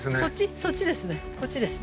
そっちですね